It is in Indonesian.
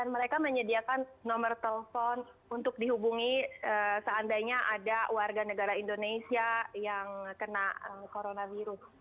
mereka menyediakan nomor telepon untuk dihubungi seandainya ada warga negara indonesia yang kena coronavirus